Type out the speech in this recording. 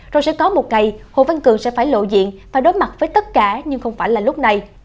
rồi sẽ có một cây hồ văn cường sẽ phải lộ diện và đối mặt với tất cả nhưng không phải là lúc này